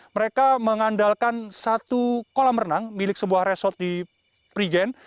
mereka mengandalkan satu kolam renang milik sebuah resort di prigen